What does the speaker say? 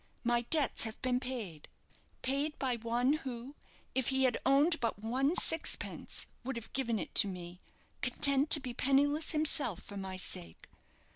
My debts have been paid paid by one who, if he had owned but one sixpence, would have given it to me, content to be penniless himself for my sake.